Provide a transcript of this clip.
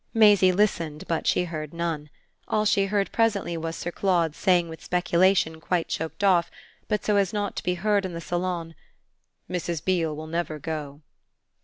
Maisie listened, but she heard none. All she heard presently was Sir Claude's saying with speculation quite choked off, but so as not to be heard in the salon: "Mrs. Beale will never go."